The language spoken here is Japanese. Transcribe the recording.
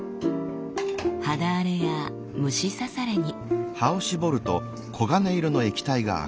肌荒れや虫刺されに。